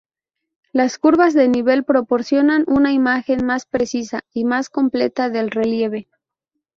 Las curvas de nivel proporcionan una imagen más precisa y más completa del relieve.